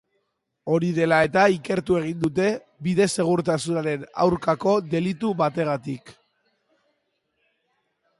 Hori dela eta, ikertu egin dute, bide-segurtasunaren aurkako delitu bategatik.